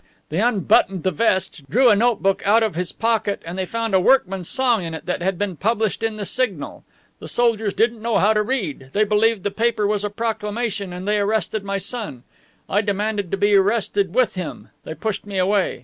They unbuttoned the vest, drew a note book out of his pocket and they found a workman's song in it that had been published in the Signal. The soldiers didn't know how to read. They believed the paper was a proclamation, and they arrested my son. I demanded to be arrested with him. They pushed me away.